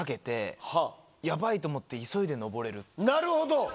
なるほど。